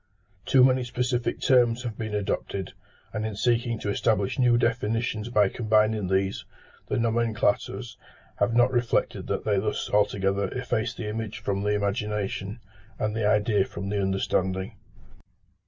Too many specific terms have been adopted; and in seeking to establish new definitions by combining these, the nomenclators have not reflected that they thus altogether efface the image from the imagination, and the idea from the understanding.